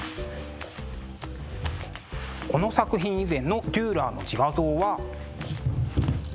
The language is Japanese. この作品以前のデューラーの自画像は。